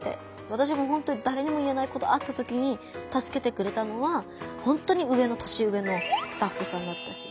私もほんとにだれにも言えないことあった時にたすけてくれたのはほんとに年上のスタッフさんだったし。